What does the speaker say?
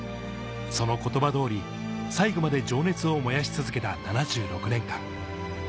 その言葉通り、最後まで情熱を燃やし続けた７６年間。